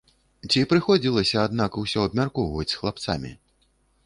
Ці прыходзілася, аднак, усё абмяркоўваць з хлапцамі?